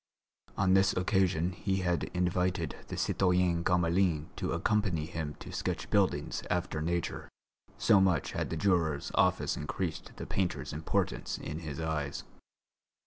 On this occasion he had invited the citoyen Gamelin to accompany him to sketch buildings after nature, so much had the juror's office increased the painter's importance in his eyes.